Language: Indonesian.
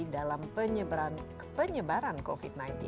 dalam penyebaran covid sembilan belas